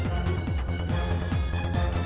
gua ngerjain dia